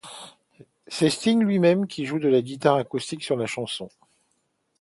C'est Sting lui-même qui joue de la guitare acoustique sur la chanson.